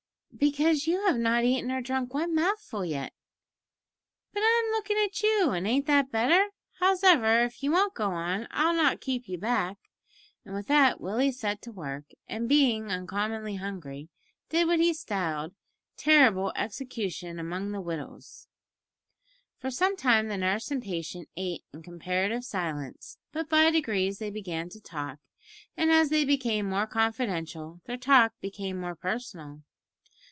"Because you have not eaten or drunk one mouthful yet." "But I'm lookin' at you, and ain't that better? Howsever, if ye won't go on, I'll not keep you back," and with that Willie set to work, and, being uncommonly hungry, did what he styled "terrible execution among the wittles." For some time the nurse and patient ate in comparative silence, but by degrees they began to talk, and as they became more confidential their talk became more personal.